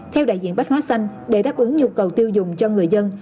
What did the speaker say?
theo đại diện bách hóa xanh để đáp ứng nhu cầu tiêu dùng cho người dân